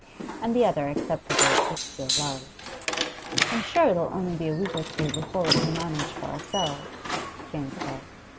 And the other accepted it as pure love. 'I'm sure it'll only be a week or two before we can manage for ourselves,' Jane said.